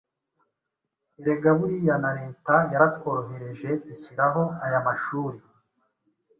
Erega buriya na Leta yaratworohereje ishyiraho aya mashuri!